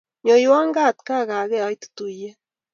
Nyoiywo gaat, kaagake aitu tuiyet.